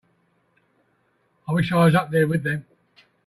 I wish I was up there with them.